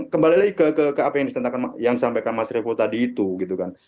kembali lagi ke apa yang disampaikan mas revo tadi itu gitu kan